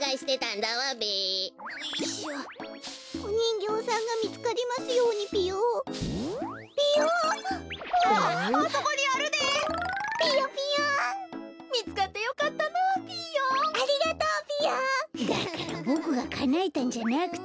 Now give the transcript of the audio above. だからボクがかなえたんじゃなくて。